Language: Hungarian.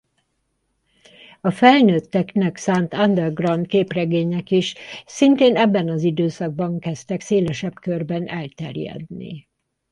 A felnőtteknek szánt underground képregények is szintén ebben az időszakban kezdtek szélesebb körben elterjedni.